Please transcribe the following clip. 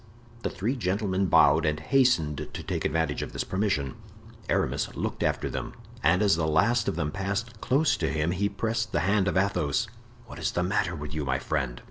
The three gentlemen bowed and hastened to take advantage of this permission. Aramis looked after them, and as the last of them passed close to him he pressed the hand of Athos. "What is the matter with you, my friend?"